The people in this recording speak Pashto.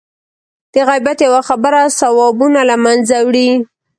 د غیبت یوه خبره ثوابونه له منځه وړي.